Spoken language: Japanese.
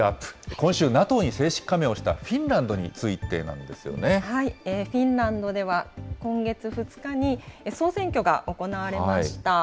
今週、ＮＡＴＯに正式加盟をしたフィンランドについてなんですよね。フィンランドでは今月２日に総選挙が行われました。